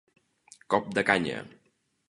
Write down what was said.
Cop de canya.